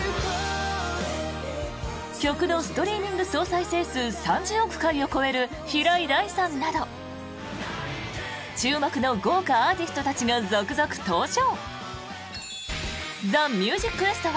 曲のストリーミング総再生数３０億回を超える平井大さんなど注目の豪華アーティストたちが続々登場。